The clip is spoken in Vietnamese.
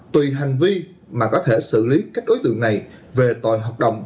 tùy hành vi mà có thể xử lý các đối tượng này về tòi hợp đồng